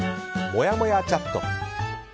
もやもやチャット。